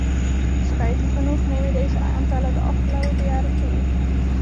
Spijtig genoeg nemen deze aantallen de afgelopen jaren toe.